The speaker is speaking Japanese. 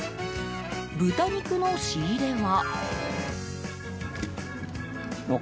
豚肉の仕入れは。